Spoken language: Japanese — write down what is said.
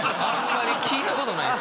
あんま聞いたことない。